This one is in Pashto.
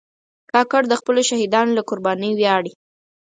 کاکړ د خپلو شهیدانو له قربانۍ ویاړي.